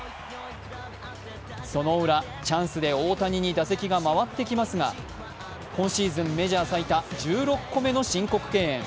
そのウラ、チャンスで大谷に打席が回ってきますが、今シーズンメジャー最多１６個目の申告敬遠。